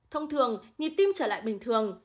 thông thường nhịp tim trở lại bình thường